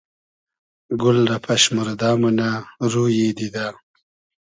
گول رۂ پئشموردۂ مونۂ رویی دیدۂ